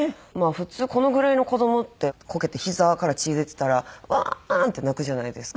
普通このぐらいの子どもってこけてひざから血出てたらわーん！って泣くじゃないですか。